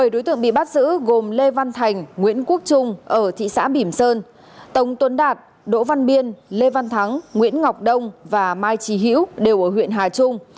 bảy đối tượng bị bắt giữ gồm lê văn thành nguyễn quốc trung ở thị xã bỉm sơn tống tuấn đạt đỗ văn biên lê văn thắng nguyễn ngọc đông và mai trí hiễu đều ở huyện hà trung